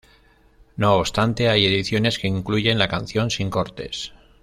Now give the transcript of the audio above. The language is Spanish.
No obstante hay ediciones que incluyen la canción sin cortes.